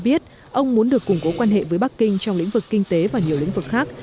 biết ông muốn được củng cố quan hệ với bắc kinh trong lĩnh vực kinh tế và nhiều lĩnh vực khác